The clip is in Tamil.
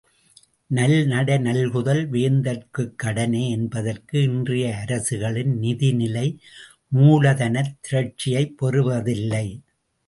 நல்நடை நல்குதல் வேந்தர்க்குக் கடனே. என்பதற்கு, இன்றைய அரசுகளின் நிதிநிலை மூலதனத் திரட்சியைப் பெறுவதில்லை.